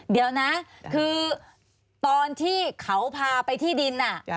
เดี๋ยวนะคือตอนที่เขาพาไปที่ดิน